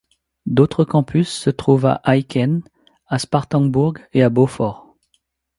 D'autres campus se trouvent à Aiken, à Spartanburg et à Beaufort.